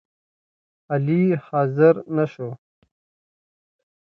علي حاضر نشو